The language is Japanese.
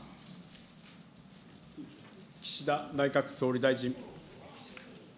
岸田内閣総理大臣。